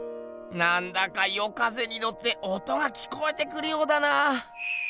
なんだか夜風にのって音が聞こえてくるようだな。